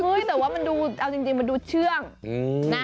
แต่ว่ามันดูเอาจริงมันดูเชื่องนะ